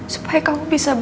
supaya kau berpingsan kabur